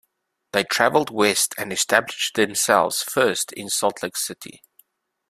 They traveled west and established themselves first in Salt Lake City.